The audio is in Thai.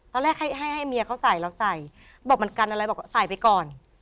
ตอนแรกให้ให้เมียเขาใส่เราใส่บอกมันกันอะไรบอกใส่ไปก่อน